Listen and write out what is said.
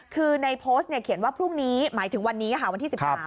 คือในโพสต์เขียนว่าพรุ่งนี้หมายถึงวันนี้ค่ะวันที่๑๓